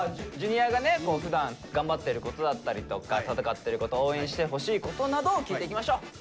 Ｊｒ．がねふだん頑張ってることだったりとか戦ってること応援してほしいことなどを聞いていきましょう。